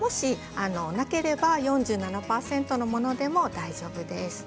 なければ４７％のものでも大丈夫です。